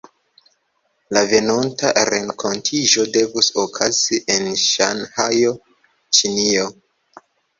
La venonta renkontiĝo devus okazi en Ŝanhajo, Ĉinio.